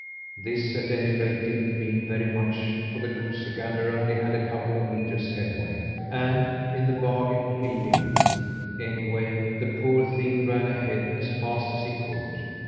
This, at any rate, didn't mean very much, for the goosey gander only had a couple of metres headway, and, in the bargain, he limped. Anyway, the poor thing ran ahead as fast as he could.